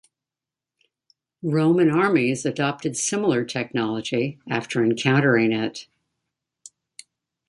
Roman armies adopted similar technology after encountering it.